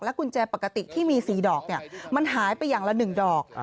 กุญแจปกติที่มี๔ดอกมันหายไปอย่างละ๑ดอก